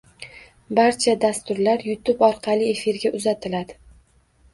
Barcha dasturlar YouTube orqali efirga uzatiladi.